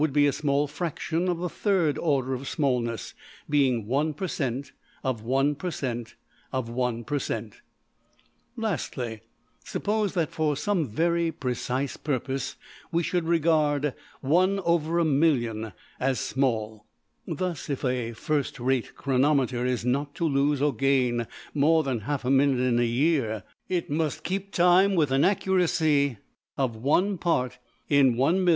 png}% be a small fraction of the third order of smallness, being $1$~per~cent.\ of $1$~per~cent.\ of $1$~per~cent. Lastly, suppose that for some very precise purpose we should regard $\frac{1,000,000}$ as ``small.'' Thus, if a first rate chronometer is not to lose or gain more than half a minute in a year, it must keep time with an accuracy of $1$~part in $1,051,200$.